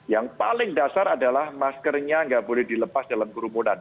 yang paling dasar adalah maskernya nggak boleh dilepas dalam kerumunan